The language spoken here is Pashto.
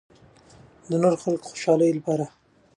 د نورو خلکو د خوشالو د پاره